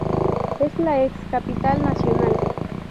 Es la ex capital nacional.